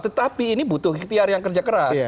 tetapi ini butuh ikhtiar yang kerja keras